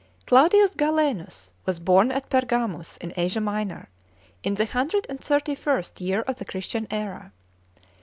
Claudius Galenus was born at Pergamus, in Asia Minor, in the hundred and thirty first year of the Christian era.